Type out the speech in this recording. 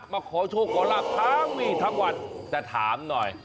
มาขอโชคขอลาบทั้งวี่ทั้งวันแต่ถามหน่อย